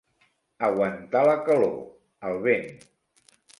Aguantar la calor, el vent.